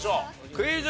クイズ。